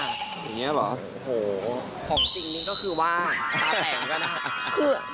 อย่างนี้เหรอโอ้โหของจริงนี่ก็คือว่าแผงก็ได้